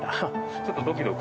ちょっとドキドキ。